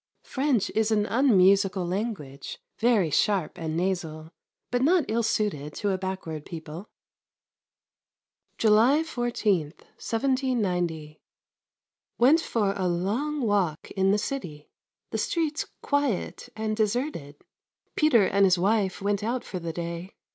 French is an unmusical language, very sharp and nasal, but not ill suited to a backward people. July 14, 1790. Went for a long walk in the city. The streets quiet and deserted. Peter and his wife went out for the day.